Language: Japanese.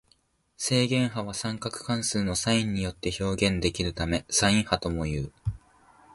正弦波は三角関数のサインによって表現できるためサイン波ともいう。